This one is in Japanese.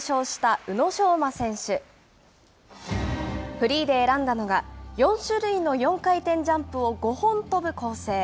フリーで選んだのが、４種類の４回転ジャンプを５本跳ぶ構成。